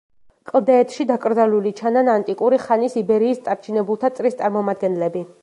კლდეეთში დაკრძალული ჩანან ანტიკური ხანის იბერიის წარჩინებულთა წრის წარმომადგენლები.